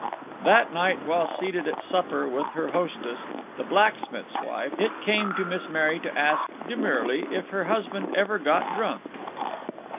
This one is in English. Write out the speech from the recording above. That night, while seated at supper with her hostess, the blacksmith's wife, it came to Miss Mary to ask, demurely, if her husband ever got drunk.